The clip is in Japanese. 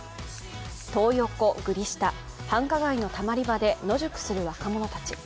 トー横、グリ下、繁華街のたまり場で野宿する若者たち。